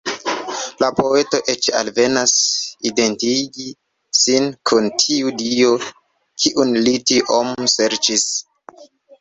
La poeto eĉ alvenas identigi sin kun tiu dio, kiun li tiom serĉis.